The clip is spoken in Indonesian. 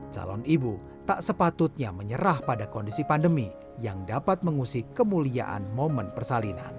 calon ibu tak sepatutnya menyerah pada kondisi pandemi yang dapat mengusik kemuliaan momen persalinan